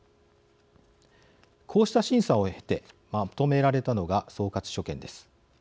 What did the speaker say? こうした審査を経てまとめられたのが総括所見です。